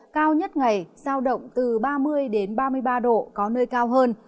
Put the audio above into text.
cao nhất ngày sao động từ ba mươi ba mươi ba độ có nơi cao hơn